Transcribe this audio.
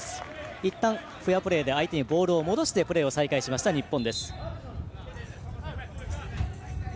いったんフェアプレーで相手にボールを戻してプレーを再開しました、日本。